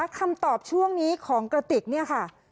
คำตอบช่วงนี้ของกระติกเนี่ยค่ะ